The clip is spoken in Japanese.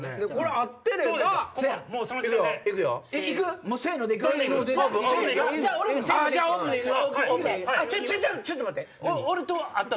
あっちょっと待って。